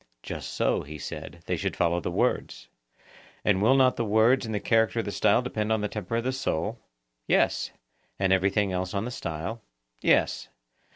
Just so, he said, they should follow the words. And will not the words and the character of the style depend on the temper of the soul? Yes. And everything else on the style? Yes.